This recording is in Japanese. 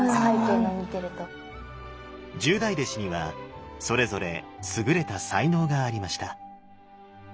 十大弟子にはそれぞれ優れた才能がありました。